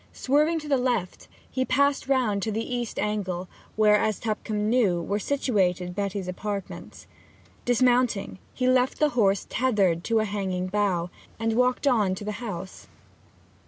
Swerving to the left, he passed round to the east angle, where, as Tupcombe knew, were situated Betty's apartments. Dismounting, he left the horse tethered to a hanging bough, and walked on to the house.